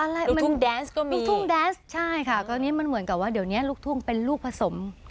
ทุ่งแดนส์ก็มีทุ่งแดนส์ใช่ค่ะตอนนี้มันเหมือนกับว่าเดี๋ยวนี้ลูกทุ่งเป็นลูกผสม